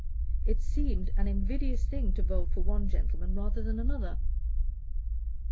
It seemed an invidious thing to vote for one gentleman rather than another.